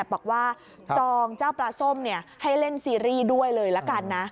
บอกว่าจองเจ้าปลาส้มให้เล่นซีรีส์ด้วยเลยละกันนะ